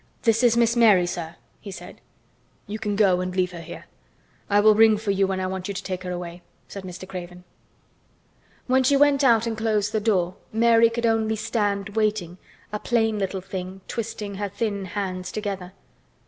"This is Miss Mary, sir," she said. "You can go and leave her here. I will ring for you when I want you to take her away," said Mr. Craven. When she went out and closed the door, Mary could only stand waiting, a plain little thing, twisting her thin hands together.